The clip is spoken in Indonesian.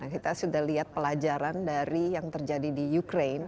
kita sudah lihat pelajaran dari yang terjadi di ukraine